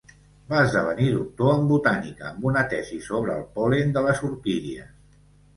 Va esdevenir doctor en botànica amb una tesi sobre el pol·len de les orquídies.